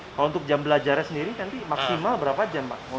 kalau untuk jam belajaran sendiri maksimal berapa jam